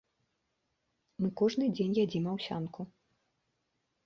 Мы кожны дзень ядзім аўсянку.